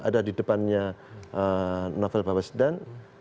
ada di depannya novel bapak sedan